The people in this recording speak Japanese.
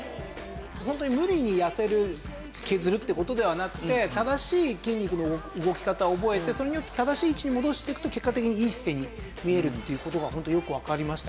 ホントに無理に痩せる削るっていう事ではなくて正しい筋肉の動き方を覚えてそれによって正しい位置に戻していくと結果的にいい姿勢に見えるっていう事がホントによくわかりました。